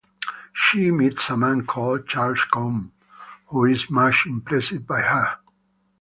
She meets a man called Charles Cohn who is much impressed by her.